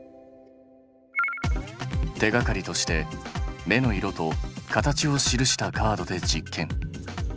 手がかりとして目の色と形を記したカードで実験。